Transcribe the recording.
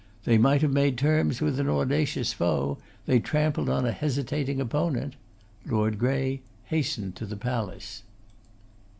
They might have made terms with an audacious foe; they trampled on a hesitating opponent. Lord Grey hastened to the palace.